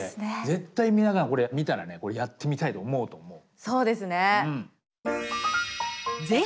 絶対皆さんこれ見たらねこれやってみたいと思うと思う。